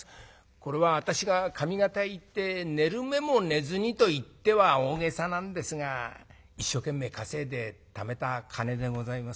これは私が上方へ行って寝る間も寝ずにと言っては大げさなんですが一生懸命稼いでためた金でございます。